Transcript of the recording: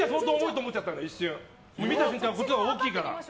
見た瞬間、こっちが大きいから。